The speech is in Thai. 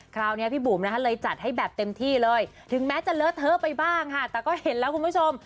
คราวนี้พี่บุ๋มนะคะเลยจัดให้แบบเต็มที่เลยถึงแม้จะเลอะเทอะไปบ้างค่ะแต่ก็เห็นแล้วคุณผู้ชม